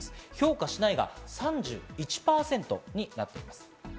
評価しないが３１％になっています。